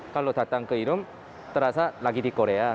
kalau datang ke irom terasa lagi di korea